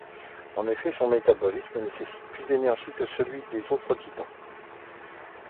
En effet, son métabolisme nécessite plus d'énergie que celui des autres Titans.